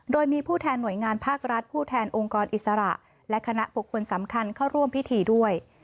โดยมีผู้แทนหน่วยงานภาครัฐผู้แทนองค์กรอิสระและคณะบุคคลสำคัญเข้าร่วมพิธีด้วย